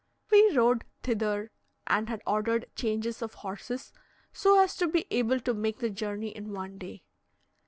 We rode thither, and had ordered changes of horses, so as to be able to make the journey in one day.